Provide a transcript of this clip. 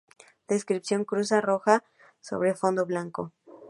Descripción: Cruz Roja sobre fondo blanco.